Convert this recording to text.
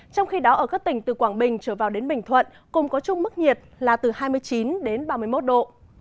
trong khi đó ở các tỉnh từ quảng bình trở vào đến bình thuận cùng có chung mức nhiệt là từ hai mươi chín đến ba mươi một độ